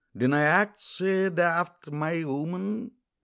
Dinna act sae daft, my wooman.